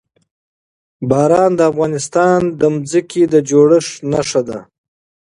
باران د افغانستان د ځمکې د جوړښت نښه ده.